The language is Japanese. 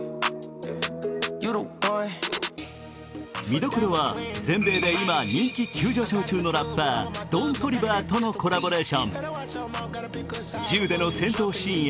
見どころは、全米で今、人気急上昇中のラッパー、ドン・トリバーとのコラボレーション。